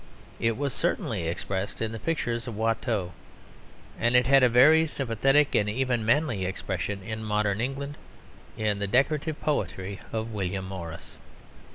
It was certainly expressed in the pictures of Watteau; and it had a very sympathetic and even manly expression in modern England in the decorative poetry of William Morris.